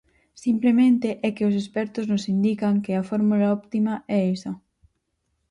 Simplemente é que os expertos nos indican que a fórmula óptima é esa.